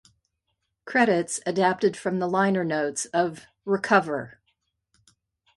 Credits adapted from the liner notes of "Recover".